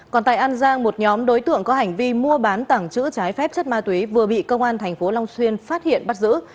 còn tại an giang một nhóm đối tượng có hành vi mua bán tảng chữ trái phép chất ma túy vừa bị công an thành phố long xuyên phát hiện bắt giữ